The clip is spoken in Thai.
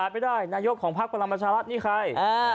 ไม่ได้นายกของพักพลังประชารัฐนี่ใคร